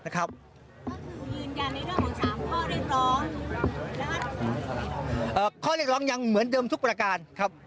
ข้อเรียกร้องอย่างเหมือนเดิมทุกประการ